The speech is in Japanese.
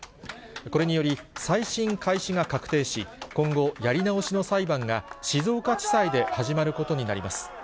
これにより、再審開始が確定し、今後、やり直しの裁判が、静岡地裁で始まることになります。